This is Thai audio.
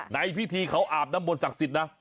ในพิธีเขาอาบน้ำมนตศักดิ์สิทธิ์นะ